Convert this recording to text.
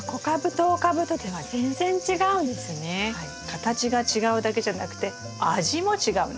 形が違うだけじゃなくて味も違うんです。